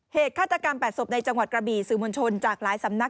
ฆาตกรรม๘ศพในจังหวัดกระบี่สื่อมวลชนจากหลายสำนัก